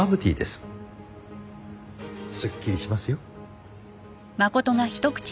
すっきりしますよ。